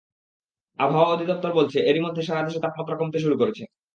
আবহাওয়া অধিদপ্তর বলছে, এরই মধ্যে সারা দেশে তাপমাত্রা কমতে শুরু করেছে।